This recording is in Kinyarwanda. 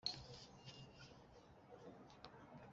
bazakubera indahemuka